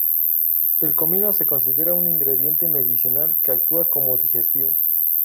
El comino se considera un ingrediente medicinal que actúa como digestivo.